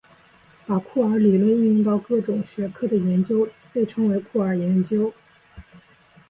把酷儿理论应用到各种学科的研究被称为酷儿研究。